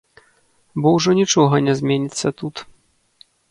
Бо ўжо нічога не зменіцца тут.